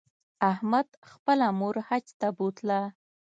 احمد خپله مور حج ته بوتله.